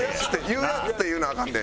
「言うヤツ」って言うのアカンで。